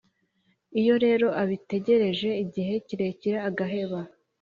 iyo rero abitegereje igihe kirekire agaheba